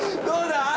どうだ？